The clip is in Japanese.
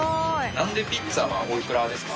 ナンｄｅピッツァはおいくらですか？